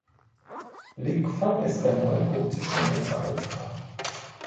Blickfang ist der neugotische Hochaltar.